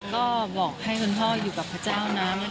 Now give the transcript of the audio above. ก็บอกให้คุณพ่ออยู่กับพระเจ้านะ